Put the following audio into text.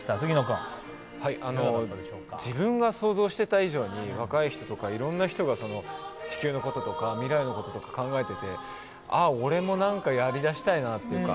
自分が想像していた以上に若い人とか、いろんな人が地球のこととか未来のこととか考えてて、俺も何かやりだしたいなというか。